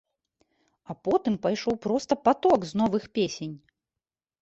А потым пайшоў проста паток з новых песень!